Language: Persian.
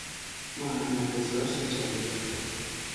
محمدرضا شجریان